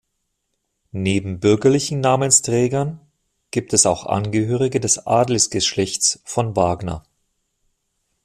Neben bürgerlichen Namensträgern gibt es auch Angehörige des Adelsgeschlechts von Wagner.